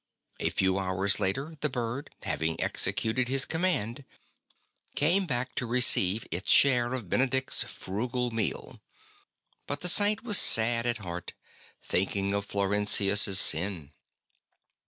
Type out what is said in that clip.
A few hours later, the bird, having executed his command, came back to receive its share of Benedict's frugal meal; but the Saint was sad at heart, thinking of Florentius's sin.